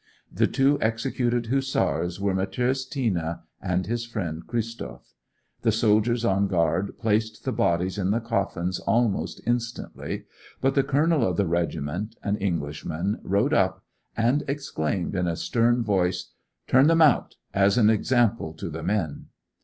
The two executed Hussars were Matthäus Tina and his friend Christoph. The soldiers on guard placed the bodies in the coffins almost instantly; but the colonel of the regiment, an Englishman, rode up and exclaimed in a stern voice: 'Turn them out—as an example to the men!